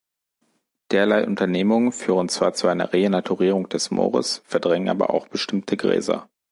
Derlei Unternehmungen führen zwar zu einer Renaturierung des Moores, verdrängen aber auch bestimmte Gräser.